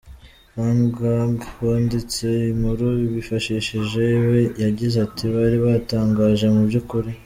Loung Ung wanditse inkuru bifashishije we yagize ati "Bari batangaje mu by’ukuri.